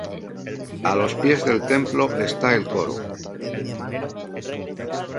A los pies del templo está el coro.